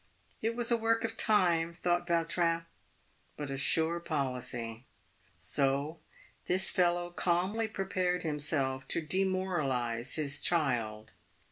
It was a work of time, thought Vautrin, but a sure policy. So this fellow calmly prepared himself to demoralise his child.